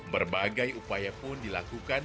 berbagai upaya pun dilakukan